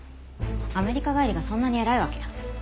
アメリカ帰りがそんなに偉いわけ？